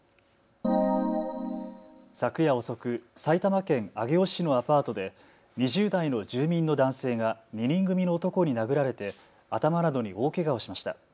昨夜遅く、埼玉県上尾市のアパートで２０代の住民の男性が２人組の男に殴られて頭などに大けがをしました。